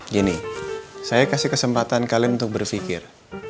gini saya kasih kesempatan kalian untuk berpikir